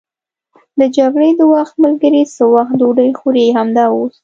د جګړې د وخت ملګري څه وخت ډوډۍ خوري؟ همدا اوس.